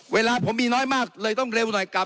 เวลาผมมีน้อยมากเลยต้องเร็วหน่อยกลับ